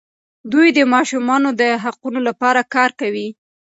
دوی د ماشومانو د حقونو لپاره کار کوي.